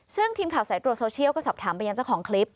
ซึ่งทีมข่าวสายตรวจโซเชียลก็สอบถามไปยังเจ้าของคลิป